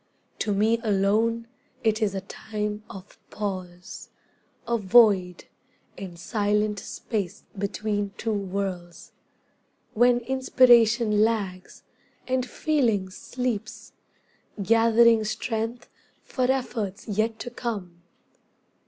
To me alone it is a time of pause, A void and silent space between two worlds, When inspiration lags, and feeling sleeps, Gathering strength for efforts yet to come.